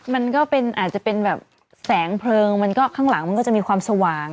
มันก็เป็นอาจจะเป็นแบบแสงเพลิงมันก็ข้างหลังมันก็จะมีความสว่าง